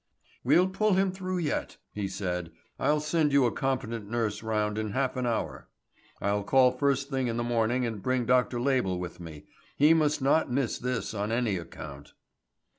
"We'll pull him through yet," he said. "I'll send you a competent nurse round in half an hour. I'll call first thing in the morning and bring Dr. Label with me. He must not miss this on any account."